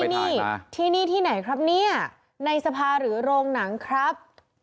นี่ที่นี่ที่ไหนครับเนี่ยในสภาหรือโรงหนังครับ